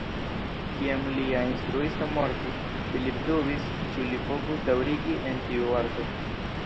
Kiam lia instruisto mortis, Phillip dubis ĉu li povus daŭrigi en tiu arto.